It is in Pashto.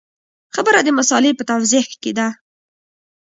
خبره د مسألې په توضیح کې ده.